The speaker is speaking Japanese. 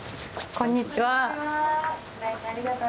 こんにちは。